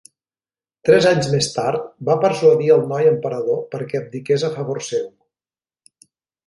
Tres anys més tard, va persuadir el noi emperador perquè abdiqués a favor seu.